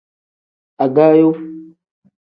Agaayo.